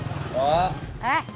tidak emang kalian berakhir